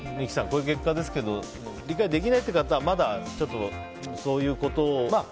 こういう結果ですけど理解できないという方はまだちょっとそういうことを。